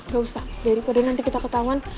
gak usah daripada nanti kita ketahuan